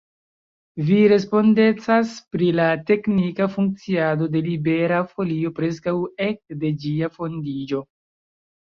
Vi respondecas pri la teknika funkciado de Libera Folio preskaŭ ekde ĝia fondiĝo.